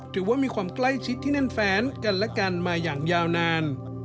ถือว่ามีความใกล้ชิดที่แน่นแฟนกันและกันมาอย่างยาวนาน